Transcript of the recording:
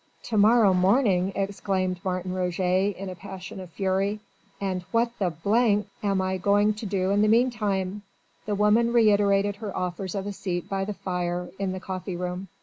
"To morrow morning!" exclaimed Martin Roget in a passion of fury. "And what the d l am I going to do in the meanwhile?" The woman reiterated her offers of a seat by the fire in the coffee room.